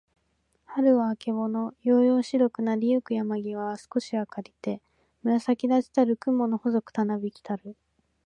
春はるは、あけぼの。やうやうしろくなりゆく山やまぎは、すこし明あかりて、紫むらさきだちたる雲くもの、細ほそくたなびきたる。